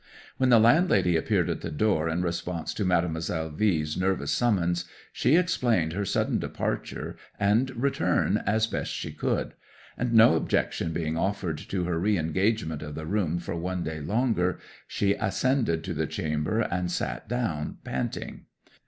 When the landlady appeared at the door in response to Mademoiselle V 's nervous summons, she explained her sudden departure and return as best she could; and no objection being offered to her re engagement of the room for one day longer she ascended to the chamber and sat down panting.